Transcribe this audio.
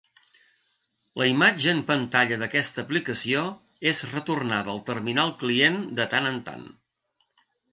La imatge en pantalla d'aquesta aplicació és retornada al terminal client de tant en tant.